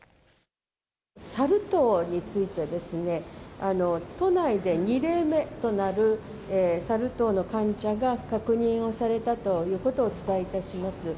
サル痘についてですね、都内で２例目となるサル痘の患者が確認をされたということをお伝